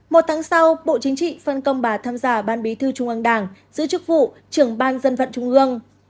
một tháng sau bộ chính trị phân công bà tham gia ban bí thư trung ương đảng giữ chức vụ trưởng ban dân vận trung ương